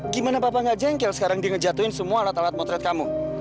gimana bapak gak jengkel sekarang dia ngejatuhin semua alat alat motret kamu